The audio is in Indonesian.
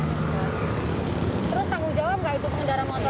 terus tanggung jawab gak itu pengendara motornya